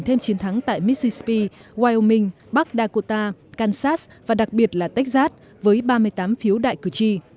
thêm chiến thắng tại missispee whieoming bắc dakota kansas và đặc biệt là texas với ba mươi tám phiếu đại cử tri